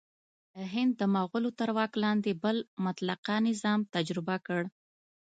هند د مغولو تر واک لاندې بل مطلقه نظام تجربه کړ.